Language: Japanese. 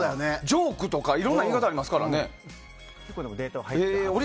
ジョークとかいろんな言い方ありますからね。